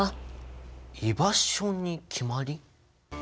居場所に決まり？